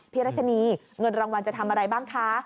รัชนีเงินรางวัลจะทำอะไรบ้างคะ